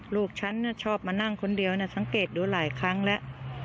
ลูกฉันชอบมานั่งคนเดียวสังเกตดูหลายครั้งแล้ว